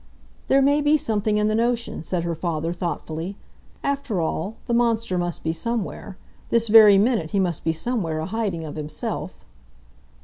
"There may be something in the notion," said her father thoughtfully. "After all, the monster must be somewhere. This very minute he must be somewhere a hiding of himself."